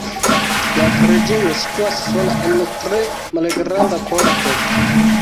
La preĝejo situas sola en tre malgranda korto.